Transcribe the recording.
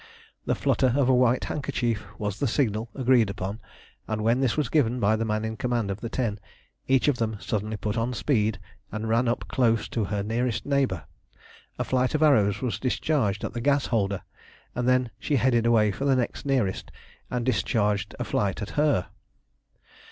The flutter of a white handkerchief was the signal agreed upon, and when this was given by the man in command of the ten, each of them suddenly put on speed, and ran up close to her nearest neighbour. A flight of arrows was discharged at the gas holder, and then she headed away for the next nearest, and discharged a flight at her.